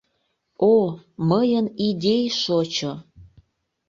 О, мыйын идей шочо!